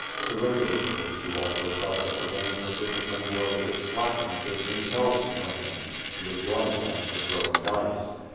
The regular troops who also felt that the reins of discipline were a little slackened gave themselves to drinking, to enjoy ment and to throwing dice.